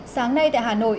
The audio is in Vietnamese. sáng nay tại hà nội